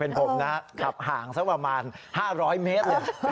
เป็นผมนะขับห่างสักประมาณ๕๐๐เมตรเลย